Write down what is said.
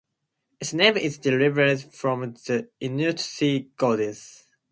Its name is derived from the Inuit sea goddess.